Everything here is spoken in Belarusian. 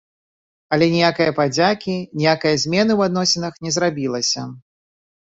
Але ніякае падзякі, ніякае змены ў адносінах не зрабілася.